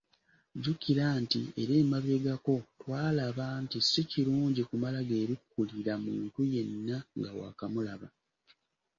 Jjukira nti era emabegako twalaba nti si kirungi kumala “geebikkulira” muntu yenna nga waakamulaba!